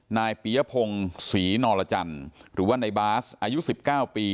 นายปียพงศ์ศรีนรจรรย์หรือว่าในบาสอายุสิบเก้าปี